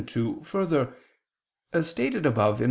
2: Further, as stated above (A.